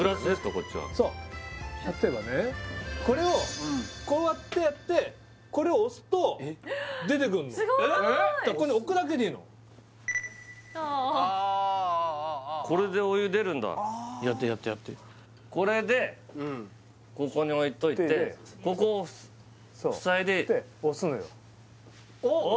こっちはそう例えばねこれをこうやってやってすごーいだからここに置くだけでいいのこれでお湯出るんだやってやってやってこれでここに置いといてここを押す塞いでで押すのよあっ！